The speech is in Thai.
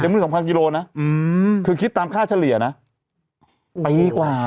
ยังไม่ถึงสองพันกิโลน่ะอืมคือคิดตามค่าเฉลี่ยน่ะไปกว่า